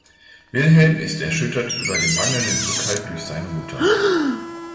Wilhelm ist erschüttert über den mangelnden Rückhalt durch seine Mutter.